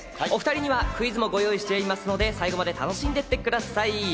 お２人にはクイズもご用意していますので、最後まで楽しんでいってください。